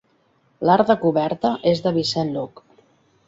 L'art de coberta és de Vincent Locke.